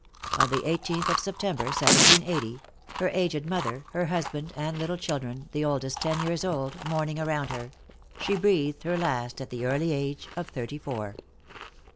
On the 18th of September, 1780 her aged mother, her husband and little children, the oldest ten years old, mourning around her she breathed her last at the early age of thirty four.